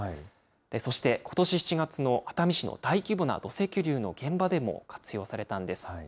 そして、ことし７月の熱海市の大規模な土石流の現場でも活用されたんです。